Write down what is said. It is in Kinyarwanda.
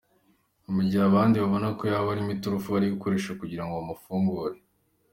mu gihe abandi babona ko yaba ariyo turufu bari gukoresha kugirango bamufungure.